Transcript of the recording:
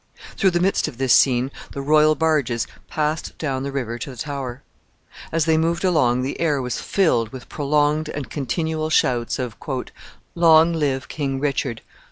Through the midst of this scene the royal barges passed down the river to the Tower. As they moved along, the air was filled with prolonged and continual shouts of "Long live King Richard!"